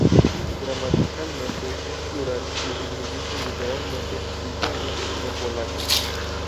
Gramaticalmente es plural, y significa literalmente "Italia" en polaco.